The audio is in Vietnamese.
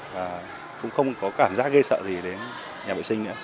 và cũng không có cảm giác ghe sợ gì đến nhà vệ sinh nữa